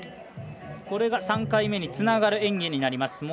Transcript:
これが３回目につながる演技になります。